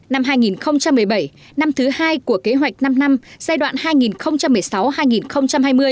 năm hai nghìn một mươi bảy năm thứ hai của kế hoạch năm năm giai đoạn hai nghìn một mươi sáu hai nghìn hai mươi